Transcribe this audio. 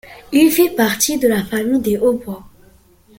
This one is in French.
Il fait partie de la famille des hautbois.